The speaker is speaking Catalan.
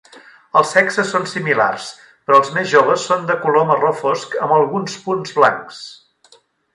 Els sexes són similars, però els més joves son de color marró fosc amb alguns punts blancs.